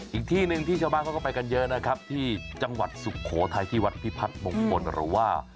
อีกที่หนึ่งที่ชาวบ้านเขาก็ไปกันเยอะนะครับที่จังหวัดสุโขทัยที่วัดพิพัฒน์มงคลหรือว่า